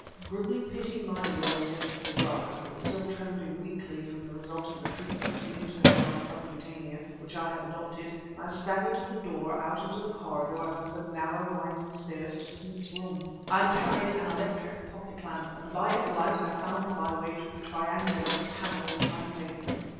Grimly pitting my will against the drug, but still trembling weakly from the result of the treatment, internal and subcutaneous, which I had adopted, I staggered to the door out into the corridor and up the narrow, winding stairs to Smith's room. I carried an electric pocket lamp, and by its light I found my way to the triangular, paneled landing.